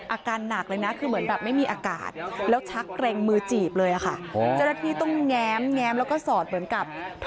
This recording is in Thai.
อะการหนักเลยนะคือเหมือนแบบไม่มีอากาศแล้วชักรีงมือจีบเลยค่ะ